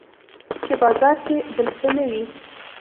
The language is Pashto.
چې بازار کې بل څه نه وي